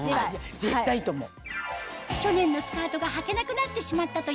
絶対いいと思う。